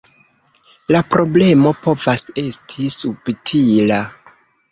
La problemo povas esti subtila.